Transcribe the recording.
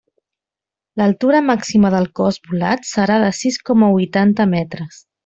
L'altura màxima del cos volat serà de sis coma huitanta metres.